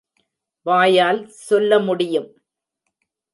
வாயால் சொல்ல முடியும்?